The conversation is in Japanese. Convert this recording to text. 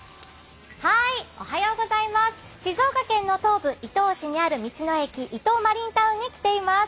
静岡県の東部、伊東市にある道の駅、伊東マリンタウンに来ています。